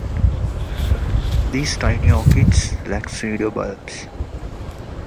These tiny orchids lack pseudobulbs.